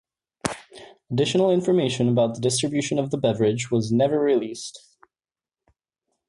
Additional information about the distribution of the beverage was never released.